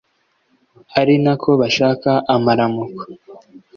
arinako bashaka amaramuko